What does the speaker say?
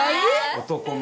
男前。